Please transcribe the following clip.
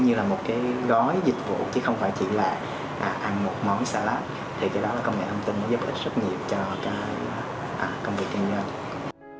nó giúp ích rất nhiều cho công việc kinh doanh